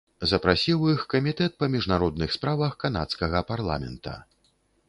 Запрасіў іх камітэт па міжнародных справах канадскага парламента.